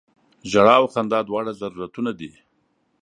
ژړا او خندا دواړه ضرورتونه دي.